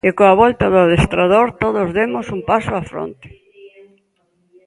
E coa volta do adestrador todos demos un paso á fronte.